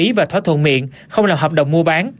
châu đã thỏa thuận miệng không làm hợp đồng mua bán